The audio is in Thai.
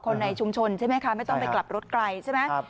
ในชุมชนใช่ไหมคะไม่ต้องไปกลับรถไกลใช่ไหม